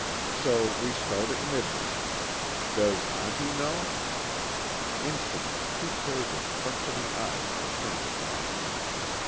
So we start at midnight. Does auntie know?" Instantly two pairs of questioning eyes were turned upon her.